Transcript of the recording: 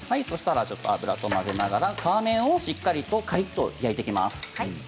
そうしたら油と混ぜながら皮面をしっかりとカリっと焼いていきます。